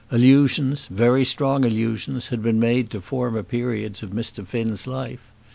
Allusions, very strong allusions, had been made to former periods of Mr. Finn's life.